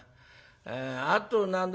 あと何だ